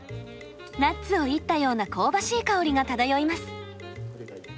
ナッツをいったような香ばしい香りが漂います。